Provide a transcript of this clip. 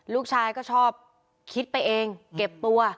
ลูกชายก็ชอบคิดไปเองเก็บตัว